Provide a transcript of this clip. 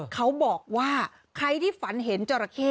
เขาบอกว่าใครที่ฝันเห็นจราเข้